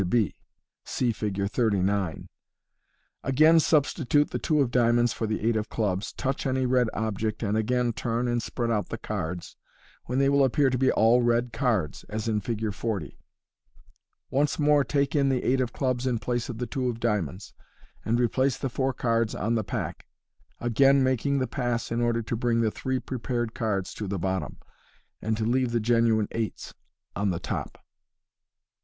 Fig. 39. MODERN MAGIC. 73 appear to be. (See Fig. 39.) Again substitute the two of diamonds for the eight of clubs, touch any red object, and again turn and spread out the cards, when they will appear to be all red cards, as in Fig. 40. Once more take in the eight of clubs in place of the two of diamonds, and replace the four cards on the pack, again making the pass in order to bring the three prepared cards to the bottom, and to leave the genuine eights on the top.